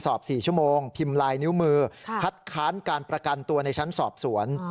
สอบ๔ชั่วโมงพิมพ์ลายนิ้วมือคัดค้านการประกันตัวในชั้นสอบสวน